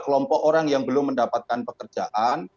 kelompok orang yang belum mendapatkan pekerjaan